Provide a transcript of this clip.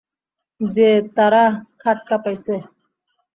যে তারা খাট কাঁপাইছে?